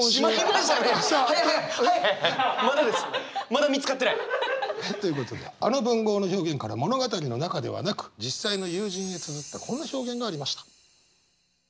まだ見つかってない！ということであの文豪の表現から物語の中ではなく実際の友人につづったこんな表現がありました。